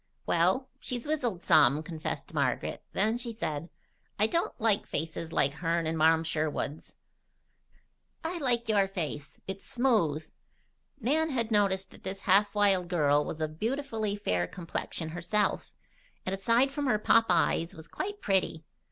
"Well, she's wizzled some," confessed Margaret. Then she said: "I don't like faces like hern and Marm Sherwood's. I like your face. It's smooth." Nan had noticed that this half wild girl was of beautifully fair complexion herself, and aside from her pop eyes was quite petty.